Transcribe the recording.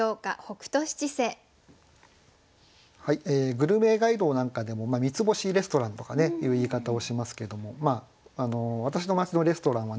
グルメガイドなんかでも三つ星レストランとかいう言い方をしますけども私の町のレストランは七つ星だと。